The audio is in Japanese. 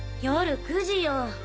夜９時よ！